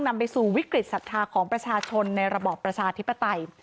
นำไปสู่วิกฤตศรัทธาของประชาชนในระบอบประชาธิปไตย